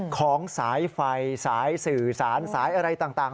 ของสายไฟสายสื่อสารสายอะไรต่าง